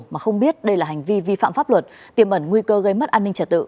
mà không biết đây là hành vi vi phạm pháp luật tiềm ẩn nguy cơ gây mất an ninh trật tự